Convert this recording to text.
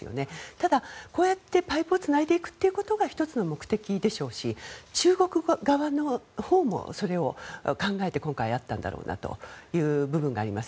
ただ、こうやってパイプをつないでいくというのが１つの目的でしょうし中国側もそれを考えてやったんだろうという部分があります。